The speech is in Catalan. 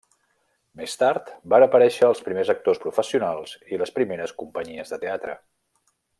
Més tard, van aparèixer els primers actors professionals i les primeres companyies de teatre.